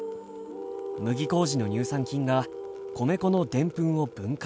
麦麹の乳酸菌が米粉のでんぷんを分解。